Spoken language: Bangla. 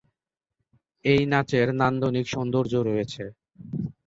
এই নাচের নান্দনিক সৌন্দর্য রয়েছে।